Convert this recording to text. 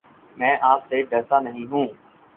میں آپ سے ڈرتا نہیں ہوں